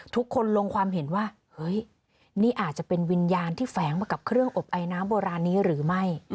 ทุกคนลงความเห็นว่าเฮ้ยนี่อาจจะเป็นวิญญาณที่แฝงมากับเครื่องอบไอน้ำโบราณนี้หรือไม่